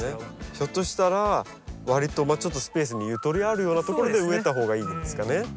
ひょっとしたらわりとスペースにゆとりあるようなところで植えた方がいいんですかね？